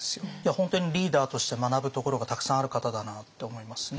本当にリーダーとして学ぶところがたくさんある方だなって思いますね。